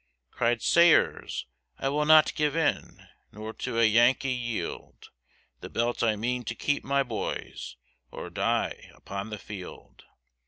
Cried Sayers, I will not give in, Nor to a Yankee yield, The belt I mean to keep my boys, Or die upon the field.